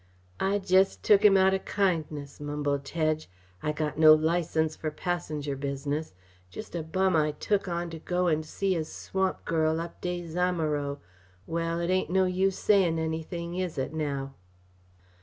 "I jest took him on out o' kindness," mumbled Tedge. "I got no license fer passenger business. Jest a bum I took on to go and see his swamp girl up Des Amoureaux. Well, it ain't no use sayin' anything, is it now?"